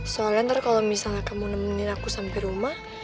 soalnya ntar kalau misalnya kamu nemenin aku sampai rumah